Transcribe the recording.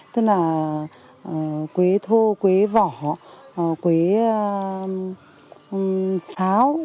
tức là quế thô quế vỏ quế sáo